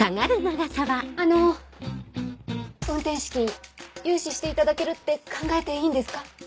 あの運転資金融資していただけるって考えていいんですか？